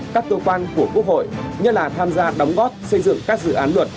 các cơ quan của quốc hội nhất là tham gia đóng góp xây dựng các dự án luật